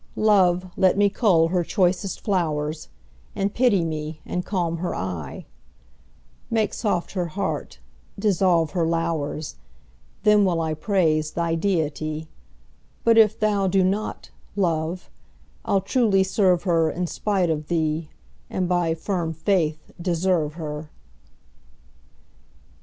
Love, let me cull her choicest flowers, And pity me, and calm her eye; Make soft her heart, dissolve her lowers, Then will I praise thy deity, But if thou do not, Love, I'll truly serve her In spite of thee, and by firm faith deserve her.